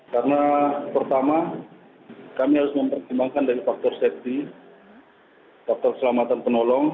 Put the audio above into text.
karena pertama kami harus mempersembahkan dari faktor safety faktor selamatan penolong